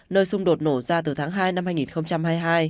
nơi xung đột nổ ra từ tháng hai năm hai nghìn hai mươi hai